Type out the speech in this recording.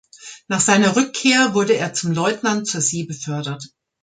Nach seiner Rückkehr wurde er zum Leutnant zur See befördert.